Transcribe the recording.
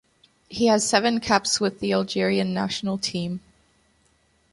He has seven caps with the Algerian national team.